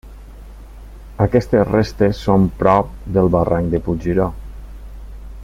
Aquestes restes són prop del barranc de Puig Lliró.